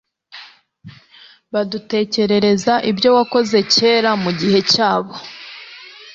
badutekerereza ibyo wakoze kera mu gihe cyabo